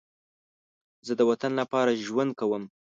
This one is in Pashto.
زه د وطن لپاره ژوند کوم